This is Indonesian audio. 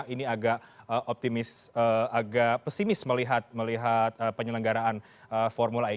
ini agak optimis agak pesimis melihat penyelenggaraan formula e